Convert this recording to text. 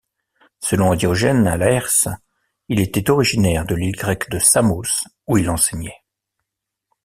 Selon Diogène Laërce, il était originaire de l'île grecque de Samos, où il enseignait.